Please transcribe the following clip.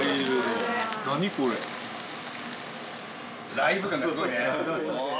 ライブ感がすごいね。